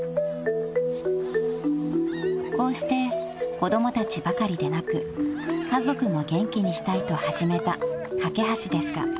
［こうして子供たちばかりでなく家族も元気にしたいと始めたかけはしですが］